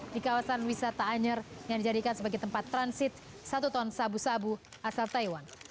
di kawasan wisata anyer yang dijadikan sebagai tempat transit satu ton sabu sabu asal taiwan